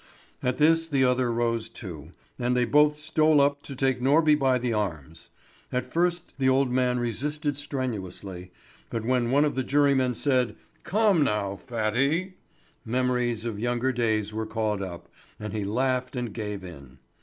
At this the other rose, too, and they both stole up to take Norby by the arms. At first the old man resisted strenuously, but when one of the jurymen said: "Come now, Fatty," memories of younger days were called up, and he laughed and gave in.